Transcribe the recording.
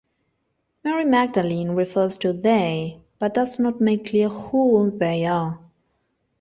Mary Magdalene refers to "they", but does not make clear who they are.